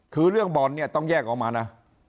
คือเรื่องบอลต้องแยกออกมานะ